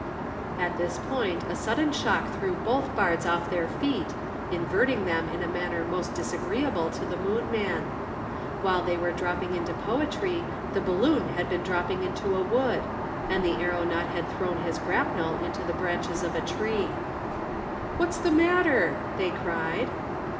At this point a sudden shock threw both bards off their feet, inverting them in a manner most disagreeable to the Moon man. While they were dropping into poetry, the balloon had been dropping into a wood, and the aeronaut had thrown his grapnel into the branches of a tree. "What's the matter?" they cried.